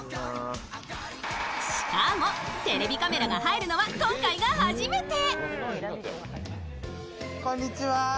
しかもテレビカメラが入るのは今回が初めて。